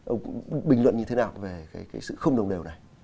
ông bình luận như thế nào về cái sự không đồng đều này